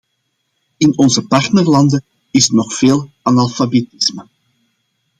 In onze partnerlanden is nog veel analfabetisme.